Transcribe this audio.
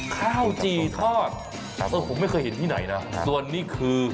ข้าวจี่ทอดผมไม่เคยเห็นที่ไหนนะส่วนนี้คือ